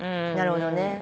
なるほどね。